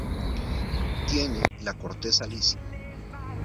Tiene la corteza lisa.